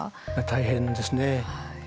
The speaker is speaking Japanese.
大変ですね。